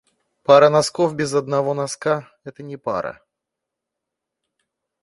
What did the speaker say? Пара носков без одного носка это не пара.